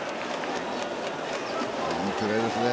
いいプレーですね。